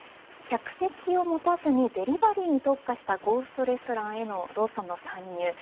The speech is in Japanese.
客席を持たずにデリバリーに特化したゴーストレストランへのローソンの参入